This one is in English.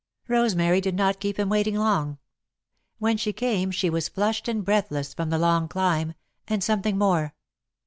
Rosemary did not keep him waiting long. When she came, she was flushed and breathless from the long climb and something more.